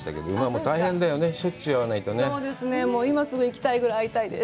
今、すぐ行きたいぐらい会いたいです。